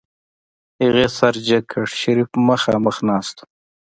هغې سر جګ کړ شريف مخاخ ناست و.